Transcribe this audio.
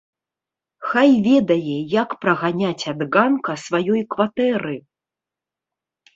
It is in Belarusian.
Хай ведае, як праганяць ад ганка сваёй кватэры!